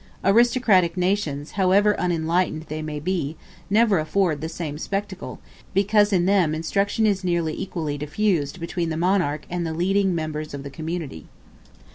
Aristocratic nations, however unenlightened they may be, never afford the same spectacle, because in them instruction is nearly equally diffused between the monarch and the leading members of the community.